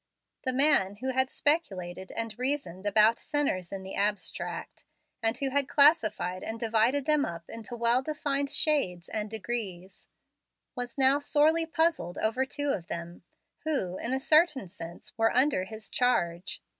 The man who had speculated and reasoned about sinners in the abstract, and who had classified and divided them up into well defined shades and degrees, was now sorely puzzled over two of them, who, in a certain sense, were under his charge.